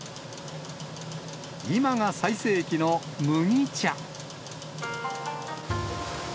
今が最盛期の麦茶。